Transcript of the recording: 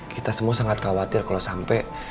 kita semua sangat khawatir kalau sampai